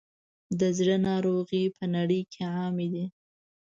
د زړه ناروغۍ په نړۍ کې عامې دي.